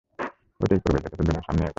ঐটাই করবে, যেটাতে দুনিয়া সামনে এগোয়।